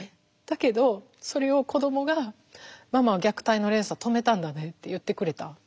だけどそれを子どもが「ママは虐待の連鎖を止めたんだね」って言ってくれた。